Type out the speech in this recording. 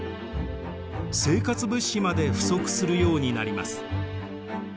生活物資まで不足するようになります。